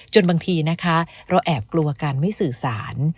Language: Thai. บางทีนะคะเราแอบกลัวการไม่สื่อสาร